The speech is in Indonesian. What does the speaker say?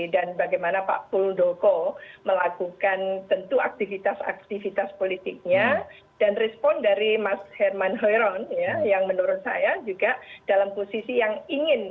dan bagaimana pak puldoko melakukan tentu aktivitas aktivitas politiknya dan respon dari mas herman hoeron yang menurut saya juga dalam posisi yang ingin